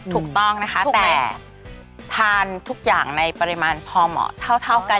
ถูกต้องนะคะแต่ทานทุกอย่างในปริมาณพอเหมาะเท่ากัน